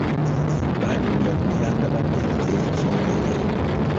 Badru yaguliranga banne kuleeti z'omwenge!